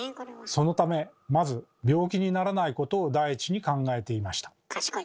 そのためまず「病気にならないこと」を第一に考えていました。